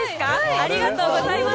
ありがとうございます！